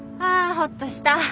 ほっとした。